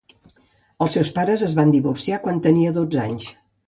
Els seus pares es van divorciar quan tenia dotze anys.